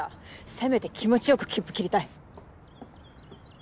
せめて気持ち良く切符切りたい。